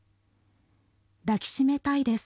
抱き締めたいです。